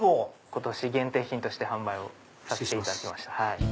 今年限定品として販売をさせていただきました。